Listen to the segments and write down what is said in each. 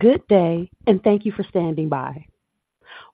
Good day, and thank you for standing by.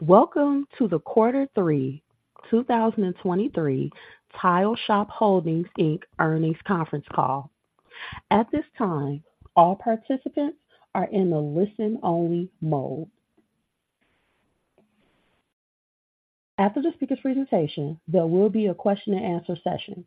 Welcome to the Q3 2023 Tile Shop Holdings, Inc. Earnings Conference Call. At this time, all participants are in a listen-only mode. After the speaker's presentation, there will be a question-and-answer session.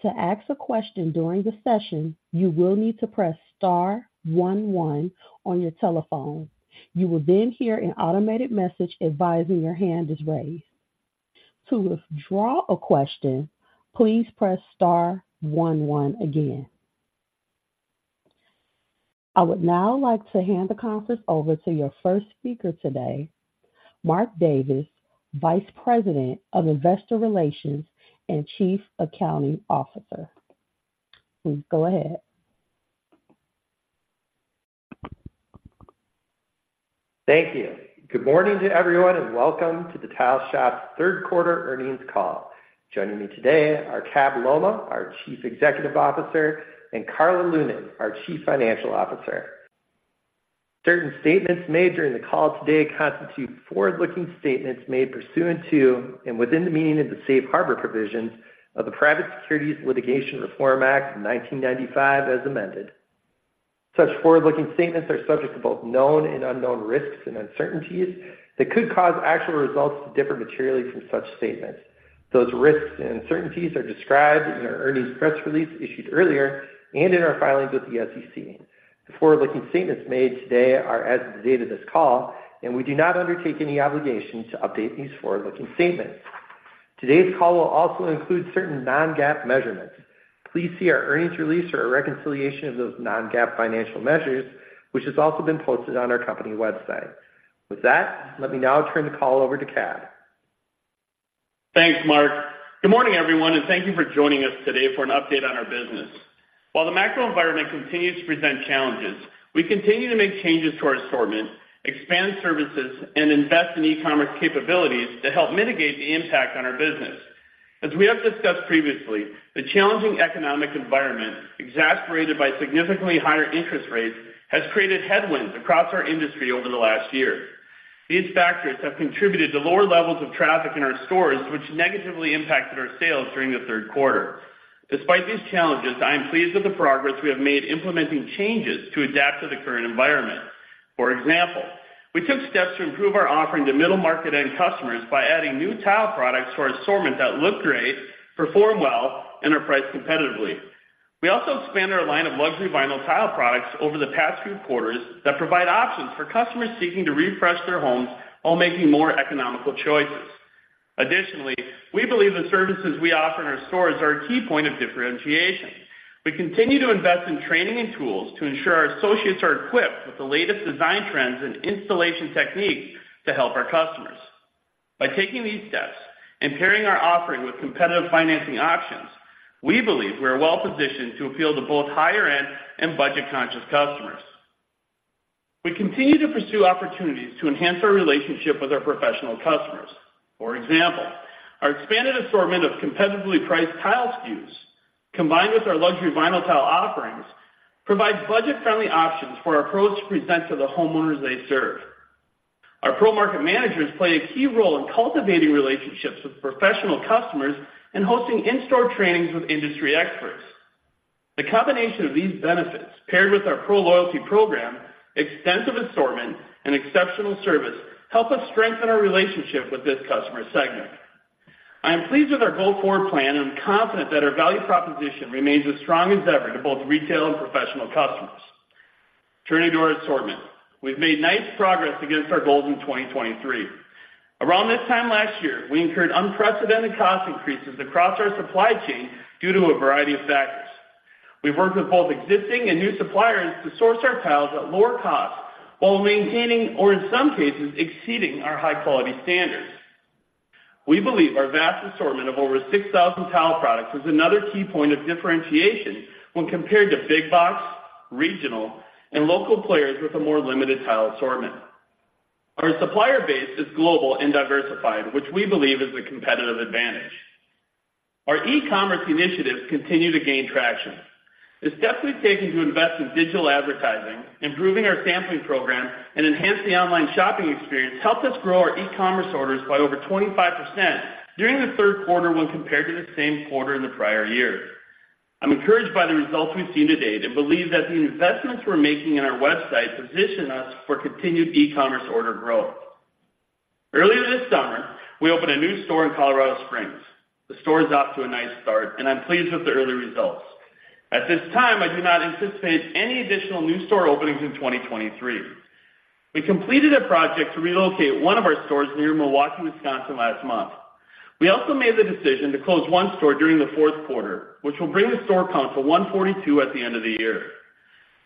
To ask a question during the session, you will need to press star one one on your telephone. You will then hear an automated message advising your hand is raised. To withdraw a question, please press star one one again. I would now like to hand the conference over to your first speaker today, Mark Davis, Vice President of Investor Relations and Chief Accounting Officer. Please go ahead. Thank you. Good morning to everyone, and welcome to the Tile Shop's Q3 earnings call. Joining me today are Cabell Lolmaugh, our Chief Executive Officer, and Karla Lunan, our Chief Financial Officer. Certain statements made during the call today constitute forward-looking statements made pursuant to and within the meaning of the Safe Harbor Provisions of the Private Securities Litigation Reform Act of 1995, as amended. Such forward-looking statements are subject to both known and unknown risks and uncertainties that could cause actual results to differ materially from such statements. Those risks and uncertainties are described in our earnings press release issued earlier and in our filings with the SEC. The forward-looking statements made today are as of the date of this call, and we do not undertake any obligation to update these forward-looking statements. Today's call will also include certain non-GAAP measurements. Please see our earnings release or a reconciliation of those non-GAAP financial measures, which has also been posted on our company website. With that, let me now turn the call over to Cab. Thanks, Mark. Good morning, everyone, and thank you for joining us today for an update on our business. While the macro environment continues to present challenges, we continue to make changes to our assortment, expand services, and invest in e-commerce capabilities to help mitigate the impact on our business. As we have discussed previously, the challenging economic environment, exacerbated by significantly higher interest rates, has created headwinds across our industry over the last year. These factors have contributed to lower levels of traffic in our stores, which negatively impacted our sales during the Q3. Despite these challenges, I am pleased with the progress we have made implementing changes to adapt to the current environment. For example, we took steps to improve our offering to middle-market-end customers by adding new tile products to our assortment that look great, perform well, and are priced competitively. We also expanded our line of Luxury Vinyl Tile products over the past few quarters that provide options for customers seeking to refresh their homes while making more economical choices. Additionally, we believe the services we offer in our stores are a key point of differentiation. We continue to invest in training and tools to ensure our associates are equipped with the latest design trends and installation techniques to help our customers. By taking these steps and pairing our offering with competitive financing options, we believe we are well positioned to appeal to both higher-end and budget-conscious customers. We continue to pursue opportunities to enhance our relationship with our professional customers. For example, our expanded assortment of competitively priced tile SKUs, combined with our Luxury Vinyl Tile offerings, provides budget-friendly options for our pros to present to the homeowners they serve. Our pro market managers play a key role in cultivating relationships with professional customers and hosting in-store trainings with industry experts. The combination of these benefits, paired with our pro loyalty program, extensive assortment, and exceptional service, help us strengthen our relationship with this customer segment. I am pleased with our go-forward plan and confident that our value proposition remains as strong as ever to both retail and professional customers. Turning to our assortment, we've made nice progress against our goals in 2023. Around this time last year, we incurred unprecedented cost increases across our supply chain due to a variety of factors. We've worked with both existing and new suppliers to source our tiles at lower costs while maintaining, or in some cases, exceeding our high-quality standards. We believe our vast assortment of over 6,000 tile products is another key point of differentiation when compared to big box, regional, and local players with a more limited tile assortment. Our supplier base is global and diversified, which we believe is a competitive advantage. Our e-commerce initiatives continue to gain traction. The steps we've taken to invest in digital advertising, improving our sampling program, and enhancing the online shopping experience helped us grow our e-commerce orders by over 25% during the Q3 when compared to the same quarter in the prior year. I'm encouraged by the results we've seen to date and believe that the investments we're making in our website position us for continued e-commerce order growth. Earlier this summer, we opened a new store in Colorado Springs. The store is off to a nice start, and I'm pleased with the early results. At this time, I do not anticipate any additional new store openings in 2023. We completed a project to relocate one of our stores near Milwaukee, Wisconsin, last month. We also made the decision to close one store during the Q4, which will bring the store count to 142 at the end of the year.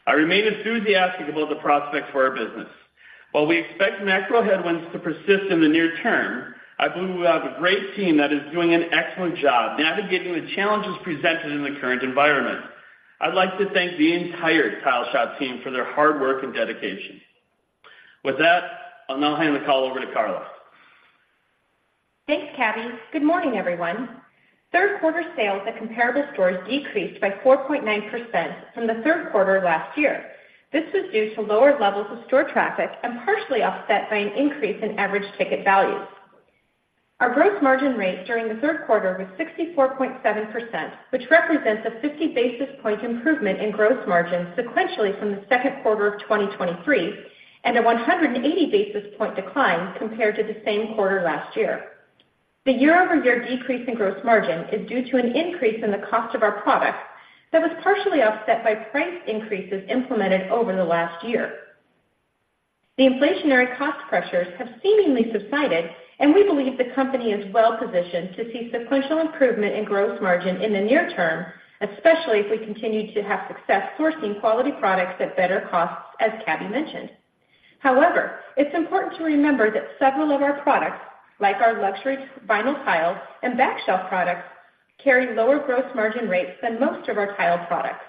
I remain enthusiastic about the prospects for our business. While we expect macro headwinds to persist in the near term, I believe we have a great team that is doing an excellent job navigating the challenges presented in the current environment. I'd like to thank the entire Tile Shop team for their hard work and dedication. With that, I'll now hand the call over to Karla.... Thanks, Cabby. Good morning, everyone. Q3 sales at comparable stores decreased by 4.9% from the Q3 last year. This was due to lower levels of store traffic and partially offset by an increase in average ticket values. Our gross margin rate during the Q3 was 64.7%, which represents a 50 basis point improvement in gross margin sequentially from the Q2 of 2023, and a 180 basis point decline compared to the same quarter last year. The year-over-year decrease in gross margin is due to an increase in the cost of our products that was partially offset by price increases implemented over the last year. The inflationary cost pressures have seemingly subsided, and we believe the company is well positioned to see sequential improvement in gross margin in the near term, especially if we continue to have success sourcing quality products at better costs, as Cabby mentioned. However, it's important to remember that several of our products, like our Luxury Vinyl Tiles and back shop products, carry lower gross margin rates than most of our tile products.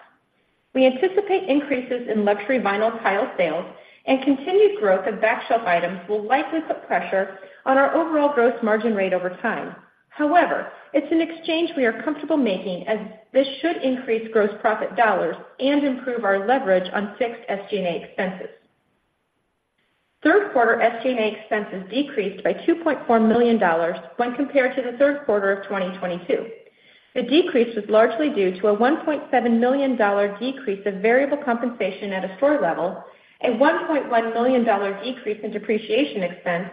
We anticipate increases in Luxury Vinyl Tile sales and continued growth of back shop items will likely put pressure on our overall gross margin rate over time. However, it's an exchange we are comfortable making, as this should increase gross profit dollars and improve our leverage on fixed SG&A expenses. Q3 SG&A expenses decreased by $2.4 million when compared to the Q3 of 2022. The decrease was largely due to a $1.7 million decrease of variable compensation at a store level, a $1.1 million decrease in depreciation expense,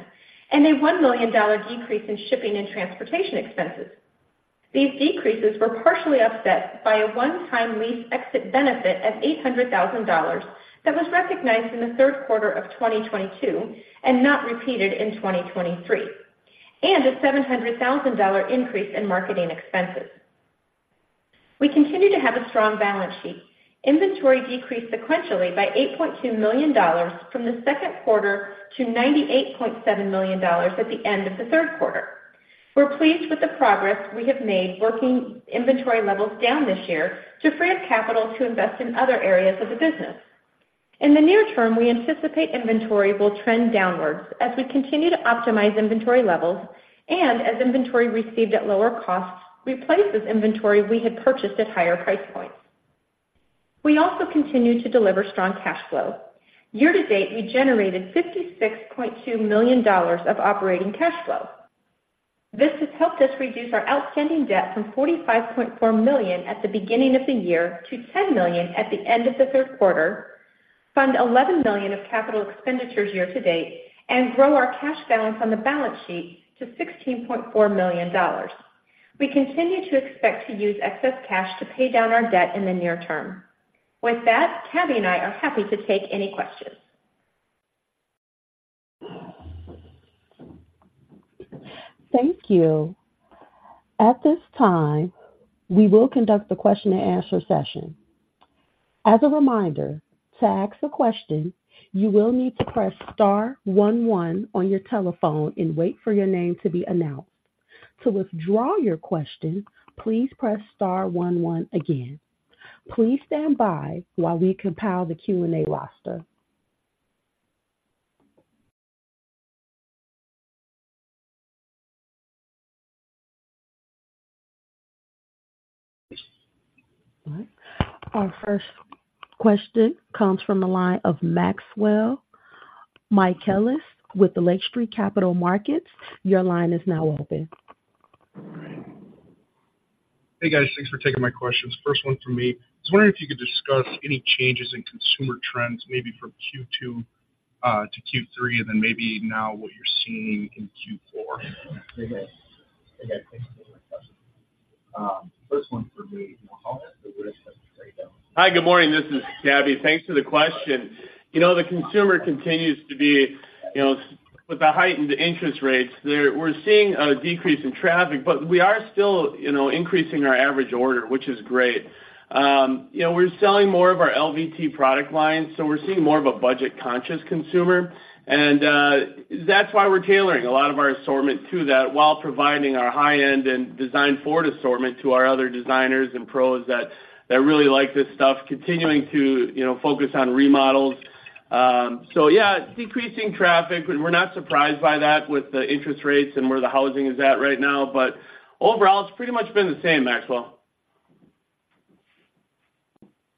and a $1 million decrease in shipping and transportation expenses. These decreases were partially offset by a one-time lease exit benefit of $800,000 that was recognized in the Q3 of 2022 and not repeated in 2023, and a $700,000 increase in marketing expenses. We continue to have a strong balance sheet. Inventory decreased sequentially by $8.2 million from the Q2 to $98.7 million at the end of the Q3. We're pleased with the progress we have made working inventory levels down this year to free up capital to invest in other areas of the business. In the near term, we anticipate inventory will trend downwards as we continue to optimize inventory levels and as inventory received at lower costs replaces inventory we had purchased at higher price points. We also continue to deliver strong cash flow. Year to date, we generated $56.2 million of operating cash flow. This has helped us reduce our outstanding debt from $45.4 million at the beginning of the year to $10 million at the end of the Q3, fund $11 million of capital expenditures year to date, and grow our cash balance on the balance sheet to $16.4 million. We continue to expect to use excess cash to pay down our debt in the near term. With that, Cabby and I are happy to take any questions. Thank you. At this time, we will conduct the question and answer session. As a reminder, to ask a question, you will need to press star one one on your telephone and wait for your name to be announced. To withdraw your question, please press star one one again. Please stand by while we compile the Q&A roster. Our first question comes from the line of Maxwell Michaelis with the Lake Street Capital Markets. Your line is now open. Hey, guys. Thanks for taking my questions. First one from me. I was wondering if you could discuss any changes in consumer trends, maybe from Q2 to Q3, and then maybe now what you're seeing in Q4. Hey, guys. Thanks for the question. First one for me. Hi, good morning. This is Cabell. Thanks for the question. You know, the consumer continues to be, you know, with the heightened interest rates, we're seeing a decrease in traffic, but we are still, you know, increasing our average order, which is great. You know, we're selling more of our LVT product line, so we're seeing more of a budget-conscious consumer. And that's why we're tailoring a lot of our assortment to that while providing our high-end and design forward assortment to our other designers and pros that really like this stuff, continuing to, you know, focus on remodels. So yeah, decreasing traffic. We're not surprised by that with the interest rates and where the housing is at right now, but overall, it's pretty much been the same, Maxwell.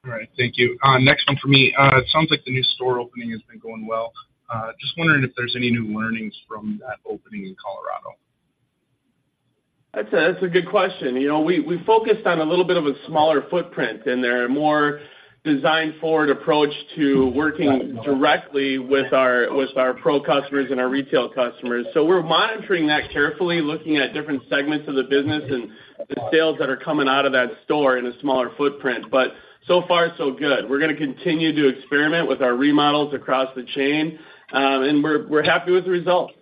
All right. Thank you. Next one for me. It sounds like the new store opening has been going well. Just wondering if there's any new learnings from that opening in Colorado. That's a good question. You know, we focused on a little bit of a smaller footprint in there, a more design forward approach to working directly with our pro customers and our retail customers. So we're monitoring that carefully, looking at different segments of the business and the sales that are coming out of that store in a smaller footprint. But so far, so good. We're going to continue to experiment with our remodels across the chain, and we're happy with the results.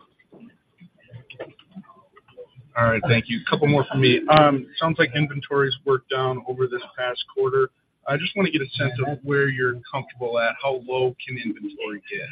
All right, thank you. A couple more from me. Sounds like inventory's worked down over this past quarter. I just want to get a sense of where you're comfortable at. How low can inventory get?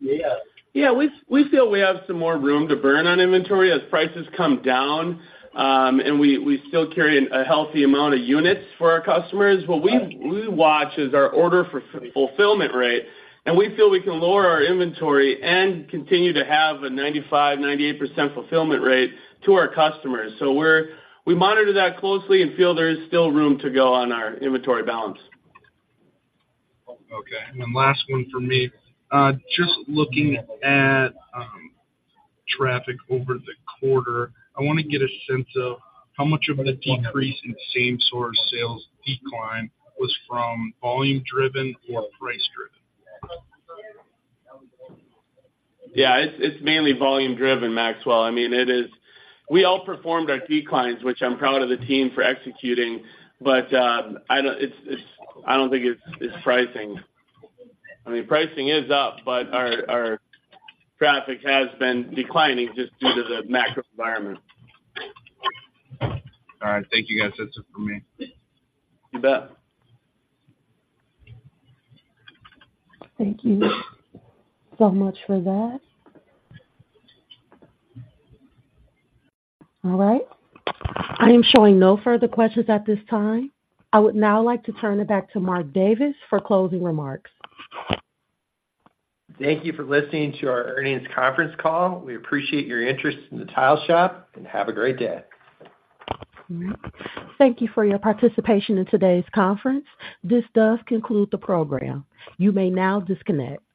Yeah. Yeah, we feel we have some more room to burn on inventory as prices come down, and we still carry a healthy amount of units for our customers. What we watch is our order for fulfillment rate, and we feel we can lower our inventory and continue to have a 95% to 98% fulfillment rate to our customers. So we monitor that closely and feel there is still room to go on our inventory balance. Okay, and then last one for me. Just looking at traffic over the quarter, I want to get a sense of how much of the decrease in same-store sales decline was from volume-driven or price-driven? Yeah, it's mainly volume driven, Maxwell. I mean, it is... We all performed our declines, which I'm proud of the team for executing, but I don't think it's pricing. I mean, pricing is up, but our traffic has been declining just due to the macro environment. All right. Thank you, guys. That's it for me. You bet. Thank you so much for that. All right, I am showing no further questions at this time. I would now like to turn it back to Mark Davis for closing remarks. Thank you for listening to our earnings conference call. We appreciate your interest in The Tile Shop, and have a great day. Thank you for your participation in today's conference. This does conclude the program. You may now disconnect.